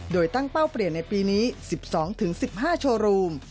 โดยตั้งเป้าเปลี่ยนในปีนี้๑๒๑๕โชว์รูม